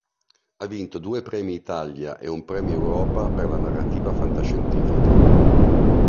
Ha vinto due premi Italia e un Premio Europa per la narrativa fantascientifica.